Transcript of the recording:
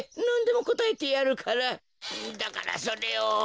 なんでもこたえてやるからだからそれを。